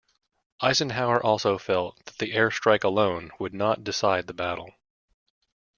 Eisenhower also felt that the airstrike alone would not decide the battle.